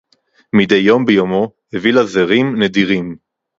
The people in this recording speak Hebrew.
מִדֵּי יוֹם בְּיוֹמוֹ הֵבִיא לָהּ זֵרִים נְדִירִים